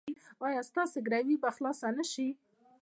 ایا ستاسو ګروي به خلاصه نه شي؟